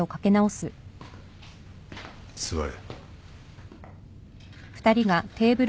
座れ。